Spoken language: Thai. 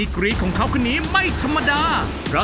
ช่วยฝังดินหรือกว่า